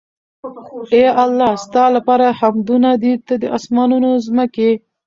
اې الله ! ستا لپاره حمدونه دي ته د آسمانونو، ځمکي